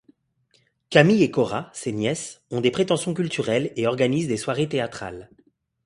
Camille et Cora, ses nièces, ont des prétentions culturelles et organisent des soirées théâtrales.